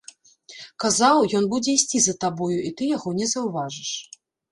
Казаў, ён будзе ісці за табою, і ты яго не заўважыш.